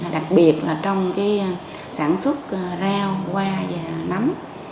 đặc biệt là trong cái sản xuất rau hoa và nấm